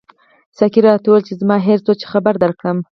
ساقي راته وویل چې زما هېر شول چې خبر درکړم.